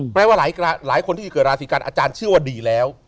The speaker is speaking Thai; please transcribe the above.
แปลว่าหลายคนที่เกิดราศีกันอาจารย์เชื่อว่าดีแล้ว